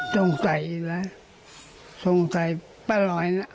สงสัยอีกแล้วสงสัยปะรอยน่ะ